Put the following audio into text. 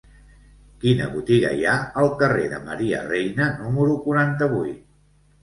Quina botiga hi ha al carrer de Maria Reina número quaranta-vuit?